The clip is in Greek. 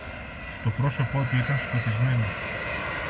Το πρόσωπο του ήταν σκοτισμένο.